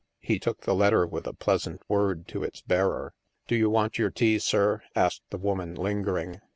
He took the letter with a pleasant word to its bearer. " Do you want your tea, sir ?" asked the woman, lingering.